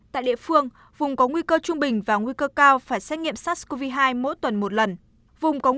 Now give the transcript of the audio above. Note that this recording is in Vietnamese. tại địa phương vùng có nguy cơ trung bình và nguy cơ cao phải xét nghiệm sars cov hai mỗi tuần một lần